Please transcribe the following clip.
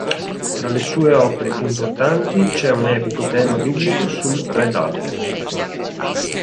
Tra le sue opere più importanti c'è un epico tema biblico sul re Davide.